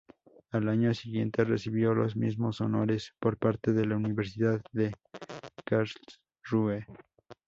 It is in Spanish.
Al año siguiente recibió los mismos honores por parte de la Universidad de Karlsruhe.